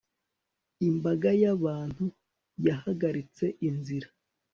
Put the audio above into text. Imbaga yabantu yahagaritse inzira